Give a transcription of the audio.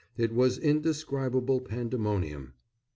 It was indescribable pandemonium.